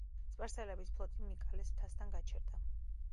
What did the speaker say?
სპარსელების ფლოტი მიკალეს მთასთან გაჩერდა.